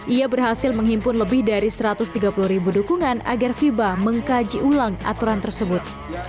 ia berhasil menghimpun lebih dari satu ratus tiga puluh ribu dukungan agar fiba mengkaji ulang aturan tersebut